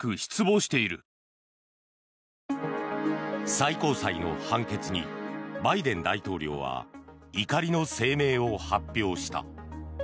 最高裁の判決にバイデン大統領は怒りの声明を発表した。